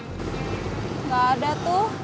gak ada tuh